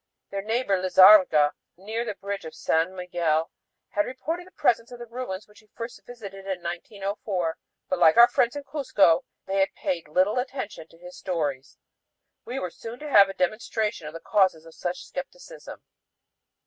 Their neighbor, Lizarraga, near the bridge of San Miguel, had reported the presence of the ruins which he first visited in 1904, but, like our friends in Cuzco, they had paid little attention to his stories. We were soon to have a demonstration of the causes of such skepticism.